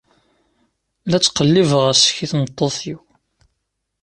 La ttqellibeɣ asek i tmeṭṭut-iw.